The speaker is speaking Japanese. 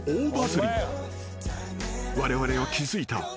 ［われわれは気付いた］